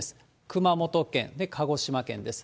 熊本県、鹿児島県です。